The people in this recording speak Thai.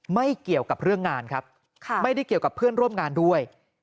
ไม่เกี่ยวกับเรื่องงานครับไม่ได้เกี่ยวกับเพื่อนร่วมงานด้วย